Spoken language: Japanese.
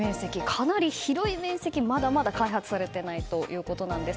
かなり広い面積がまだまだ開発されていないということなんです。